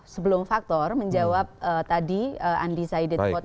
sebelum faktor menjawab tadi undecided voters